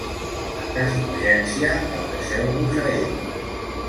En cas d'urgència, adreceu-vos a ell.